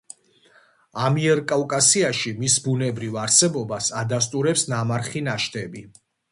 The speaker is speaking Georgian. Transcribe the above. ამიერკავკასიაში მის ბუნებრივ არსებობას ადასტურებს ნამარხი ნაშთები.